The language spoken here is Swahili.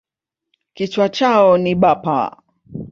Kichwa chao ni bapa.